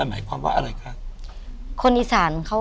หมายความว่าอะไรคะ